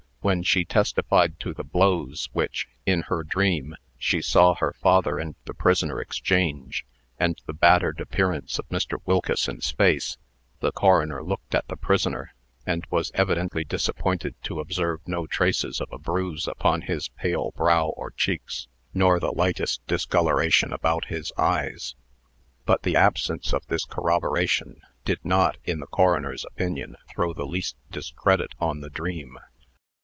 When she testified to the blows which (in her dream) she saw her father and the prisoner exchange, and the battered appearance of Mr. Wilkeson's face, the coroner looked at the prisoner, and was evidently disappointed to observe no traces of a bruise upon his pale brow or cheeks, nor the lightest discoloration about his eyes. But the absence of this corroboration did not, in the coroner's opinion, throw the least discredit on the dream.